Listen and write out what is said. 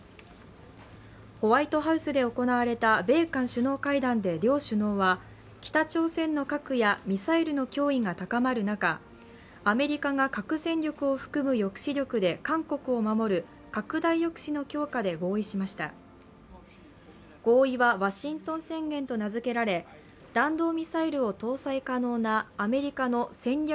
ホワイトハウスで行われた米韓首脳会談で両首脳は北朝鮮の核やミサイルの脅威が高まる中、アメリカが核戦力を含む抑止力で韓国を守る拡大抑止の強化で合意しました合意はワシントン宣言と名付けられ、弾道ミサイルを搭載可能なアメリカの戦略